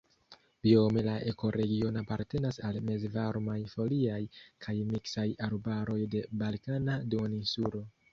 Biome la ekoregiono apartenas al mezvarmaj foliaj kaj miksaj arbaroj de Balkana Duoninsulo.